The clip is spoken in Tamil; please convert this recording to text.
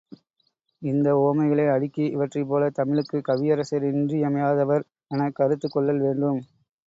இந்த உவமைகளை அடுக்கி, இவற்றைப்போல, தமிழுக்குக் கவியரசர் இன்றி மையாதவர் எனக் கருத்து கொள்ளல் வேண்டும்.